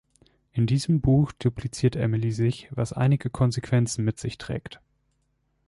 In diesem Buch dupliziert Emily sich, was einige Konsequenzen mit sich trägt.